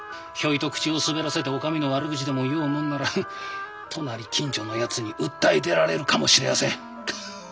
ひょいと口を滑らせてお上の悪口でも言おうもんなら隣近所のやつに訴え出られるかもしれやせん。